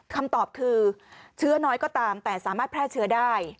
คำตอบคือเชื้อน้อยก็ตามแต่สามารถแพร่เชื้อได้